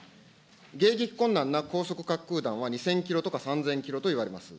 迎撃困難な高速滑空弾は２０００キロとか３０００キロとかいわれます。